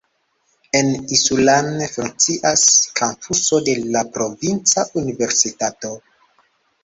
En Isulan funkcias kampuso de la provinca universitato.